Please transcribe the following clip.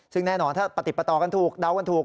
ซึ่งแน่นอนถ้าปฏิบตากันถูกเดากันถูก